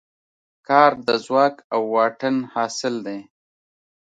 کار د ځواک او واټن حاصل دی.